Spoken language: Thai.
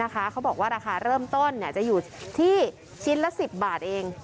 เขาบอกว่าราคาเริ่มต้นจะอยู่ที่ชิ้นละ๑๐บาทเอง